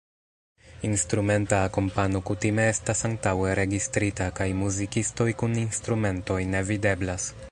Instrumenta akompano kutime estas antaŭe registrita kaj muzikistoj kun instrumentoj ne videblas.